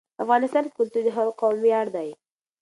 په افغانستان کې کلتور د هر قوم ویاړ دی.